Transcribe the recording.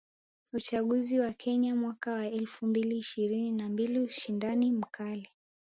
Uchaguzi wa Kenya mwaka wa elfu mbili ishirini na mbili: ushindani mkali.